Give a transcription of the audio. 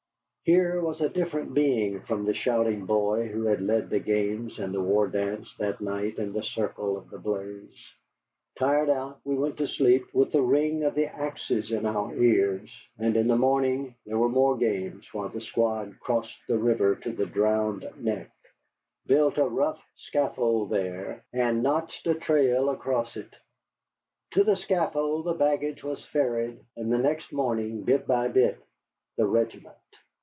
Here was a different being from the shouting boy who had led the games and the war dance that night in the circle of the blaze. Tired out, we went to sleep with the ring of the axes in our ears, and in the morning there were more games while the squad crossed the river to the drowned neck, built a rough scaffold there, and notched a trail across it; to the scaffold the baggage was ferried, and the next morning, bit by bit, the regiment.